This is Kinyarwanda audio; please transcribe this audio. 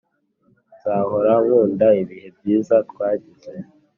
nzahora nkunda ibihe byiza twagize.